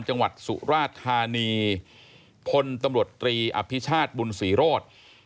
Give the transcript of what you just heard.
จังหวัดสุราชธานีพลตำรวจตรีอภิชาติบุญศรีโรธ